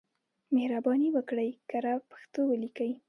مهرباني وکړئ کره پښتو ولیکئ.